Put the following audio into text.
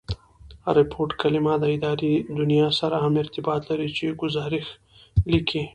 ریپوټ کلیمه د اداري دونیا سره هم ارتباط لري، چي ګوزارښ لیکي.